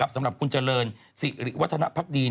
สำหรับคุณเจริญสิริวัฒนภักดี